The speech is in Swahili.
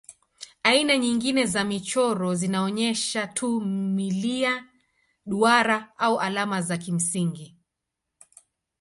Aina nyingine za michoro zinaonyesha tu milia, duara au alama za kimsingi.